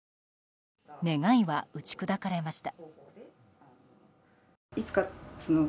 願いは打ち砕かれました。